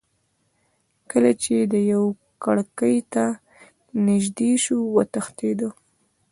کله چې دېو کړکۍ ته نیژدې شو وتښتېدی.